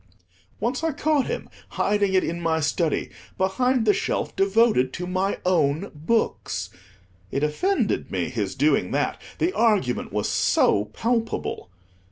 Once I caught him hiding it in my study, behind the shelf devoted to my own books. It offended me, his doing that; the argument was so palpable.